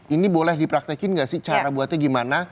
ini boleh dipraktekin gak sih cara buatnya gimana